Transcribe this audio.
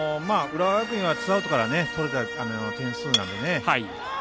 浦和学院はツーアウトから取れた点数なのでね。